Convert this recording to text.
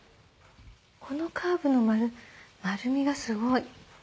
このカーブの丸みがすごい。